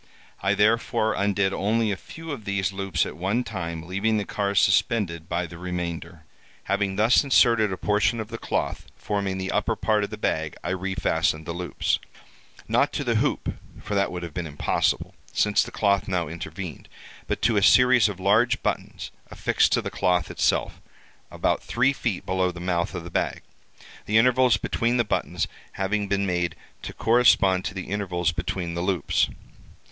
I therefore undid only a few of these loops at one time, leaving the car suspended by the remainder. Having thus inserted a portion of the cloth forming the upper part of the bag, I refastened the loops—not to the hoop, for that would have been impossible, since the cloth now intervened—but to a series of large buttons, affixed to the cloth itself, about three feet below the mouth of the bag, the intervals between the buttons having been made to correspond to the intervals between the loops.